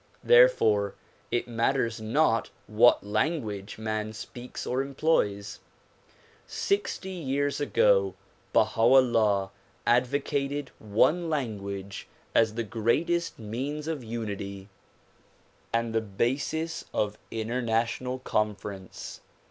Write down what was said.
Therefore it matters not what language man speaks or employs. Sixty years ago Baha 'Ullah advocated one language as the greatest means of unity and the basis of interna 228 THE PROMULGATION OF UNIVERSAL PEACE tional conference.